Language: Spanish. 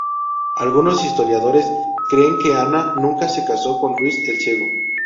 Algunos historiadores creen que Ana nunca se casó con Luis el Ciego.